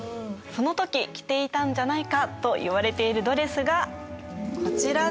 その時着ていたんじゃないかといわれているドレスがこちらです。